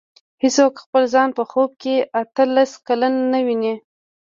هېڅوک خپل ځان په خوب کې اته لس کلن نه ویني.